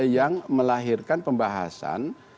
yang melahirkan pembahasan